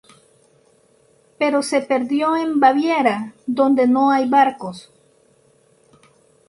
Pero se perdió en Baviera, donde no hay barcos.